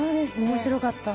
面白かった。